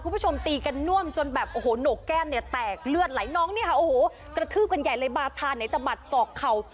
ตีกันน่วมจนแบบโอ้โหหนกแก้มเนี่ยแตกเลือดไหลน้องเนี่ยค่ะโอ้โหกระทืบกันใหญ่เลยบาธาไหนจะหัดศอกเข่า